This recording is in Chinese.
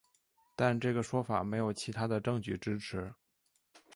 但这个说法没有其他的证据支持。